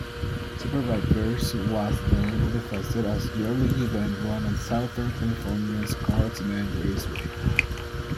Superbikers was then manifested as a yearly event run at southern California's Carlsbad Raceway.